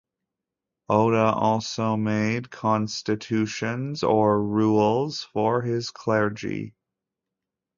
Oda also made constitutions, or rules, for his clergy.